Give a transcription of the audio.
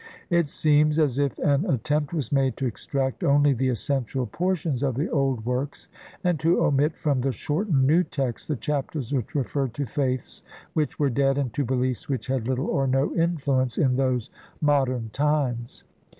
It seems as if an attempt was made to extract only the essential por tions of the old works and to omit from the shortened new texts the Chapters which referred to faiths which were dead and to beliefs which had little or no influence in those modern times.